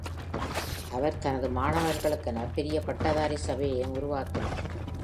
அவர் தனது மாணவர்களுக்கென பெரிய பட்டதாரி சபையையும் உருவாக்கினார்.